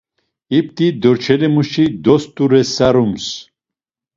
İpti dorçelimuşi dost̆uresarums.